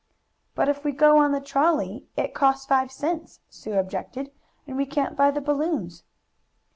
"But if we go on the trolley it costs five cents," Sue objected, "and we can't buy the balloons."